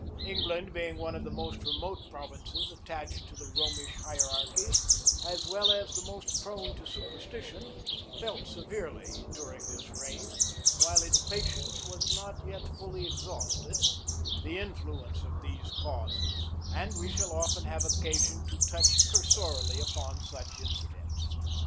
England being one of the most remote provinces attached to the Romish hierarchy, as well as the most prone to superstition, felt severely, during this reign, while its patience was not yet fully exhausted, the influence of these causes, and we shall often have occasion to touch cursorily upon such incidents.